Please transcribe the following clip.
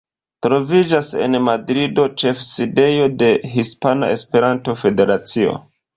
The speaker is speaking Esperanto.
Troviĝas en Madrido ĉefsidejo de Hispana Esperanto-Federacio.